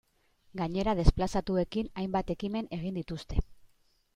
Gainera desplazatuekin hainbat ekimen egin dituzte.